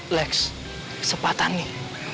alex kesempatan nih